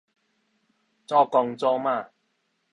祖公祖媽